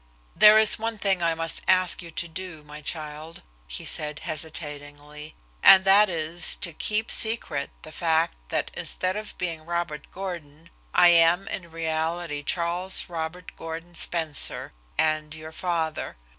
"There is one thing I must ask you to do, my child," he said hesitatingly, "and that is to keep secret the fact that instead of being Robert Gordon, I am in reality Charles Robert Gordon Spencer, and your father.